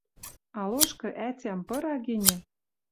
А лошкы ӓтям пыра гӹньӹ